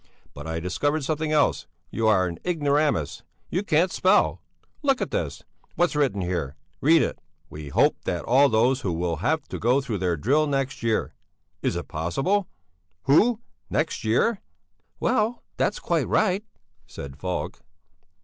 But I discovered something else; you are an ignoramus; you can't spell! Look at this! What's written here? Read it! 'We hope that all those who will have to go through their drill next year....' Is it possible? 'Who ... next year....'" "Well, that's quite right," said Falk.